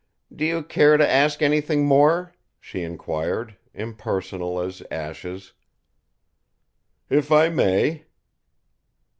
"Do you care to ask anything more?" she inquired, impersonal as ashes. "If I may."